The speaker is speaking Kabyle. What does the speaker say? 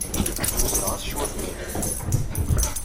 Uzneɣ-as cwiṭ n yidrimen.